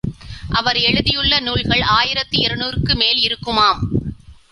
அவர் எழுதியுள்ள நூல்கள் ஆயிரத்து இருநூறுக்கு மேல் இருக்குமாம்.